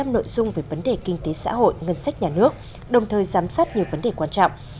một mươi năm nội dung về vấn đề kinh tế xã hội ngân sách nhà nước đồng thời giám sát nhiều vấn đề quan trọng